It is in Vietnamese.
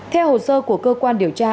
theo hồ sơ của cơ quan điều tra